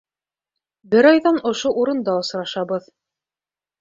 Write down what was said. Бер айҙан ошо урында осрашабыҙ.